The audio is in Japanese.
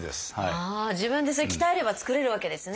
自分でそれ鍛えれば作れるわけですね。